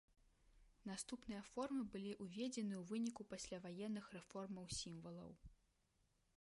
Наступныя формы былі ўведзены ў выніку пасляваенных рэформаў сімвалаў.